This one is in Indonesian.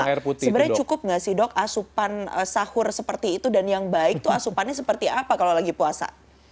sebenarnya cukup nggak sih dok asupan sahur seperti itu dan yang baik itu asupannya seperti apa kalau lagi puasa